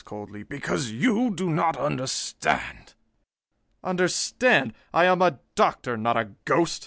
coldly, "because you do not understand!" "Understand? I am a doctor not a ghost!"